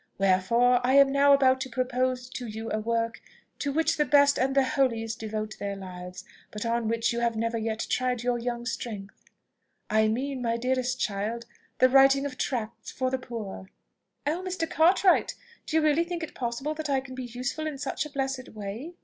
Wherefore, I am now about to propose to you a work to which the best and the holiest devote their lives, but on which you have never yet tried your young strength: I mean, my dearest child, the writing of tracts for the poor." "Oh! Mr. Cartwright! Do you really think it possible that I can be useful in such a blessed way?"